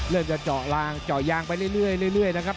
เริ่มจะเจาะยางไปเรื่อยนะครับ